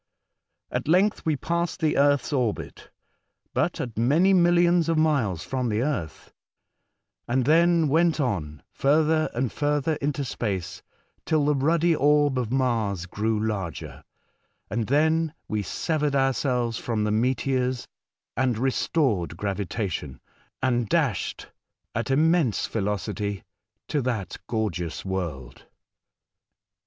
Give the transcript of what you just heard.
At length we passed the earth's orbit, but at manymilhons of miles from the earth, and then went on, further and further, into space, till the ruddy orb of Mars grew larger, and then we severed ourselves from the meteors and re stored gravitation and dashed at immense velocity to that gorgeous world.